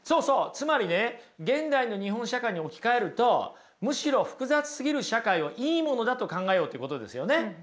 つまりね現代の日本社会に置き換えるとむしろ複雑すぎる社会をいいものだと考えようっていうことですよね。